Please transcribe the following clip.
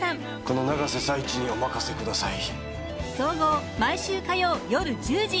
この永瀬財地にお任せ下さい！